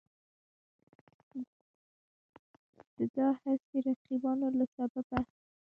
د دا هسې رقیبانو له سببه